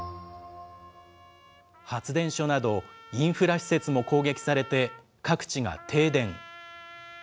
発電所など、インフラ施設も攻撃されて、各地が停電。